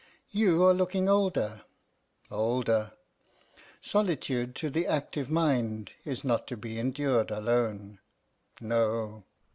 You are looking older older. Solitude to the active mind is not to be endured alone no."